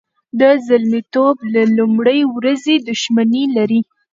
د زلمیتوب له لومړۍ ورځې دښمني لري.